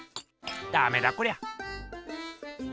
ダメだこりゃ。